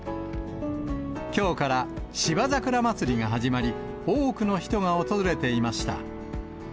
きょうから芝桜まつりが始まり、多くの人が訪れていました。